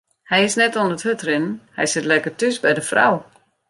Hy is net oan it hurdrinnen, hy sit lekker thús by de frou.